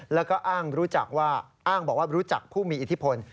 แล้วก็อ้างบอกว่ารู้จักผู้มีอิทธิพล